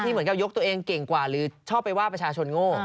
เหมือนกับยกตัวเองเก่งกว่าหรือชอบไปว่าประชาชนโง่